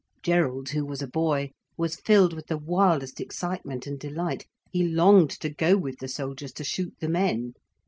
Gerald, who was a boy, was filled with the wildest excitement and delight. He longed to go with the soldiers to shoot the men.